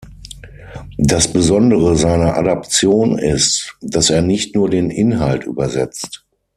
Das Besondere seiner Adaption ist, dass er nicht nur den Inhalt übersetzt.